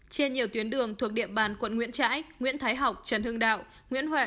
trên nhiều tuyến đường thuộc địa bàn quận nguyễn trãi nguyễn thái học trần hưng đạo nguyễn huệ